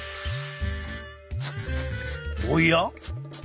おや？